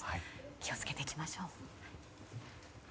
気を付けていきましょう。